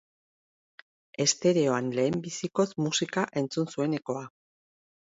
Estereoan lehenbizikoz musika entzun zuenekoa.